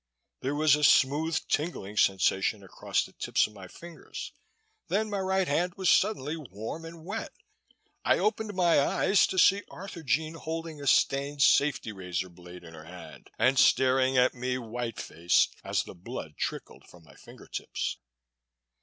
There was a smooth, tingling sensation across the tips of my fingers, then my right hand was suddenly warm and wet. I opened my eyes to see Arthurjean holding a stained safety razor blade in her hand and staring at me, white faced, as the blood trickled from my finger tips.